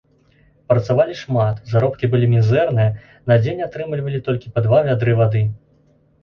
Працавалі шмат, заробкі былі мізэрныя, на дзень атрымлівалі толькі па два вядры вады.